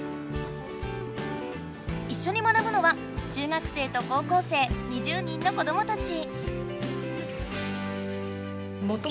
いっしょに学ぶのは中学生と高校生２０人の子どもたち。